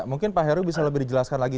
mungkin pak heru bisa lebih dijelaskan lagi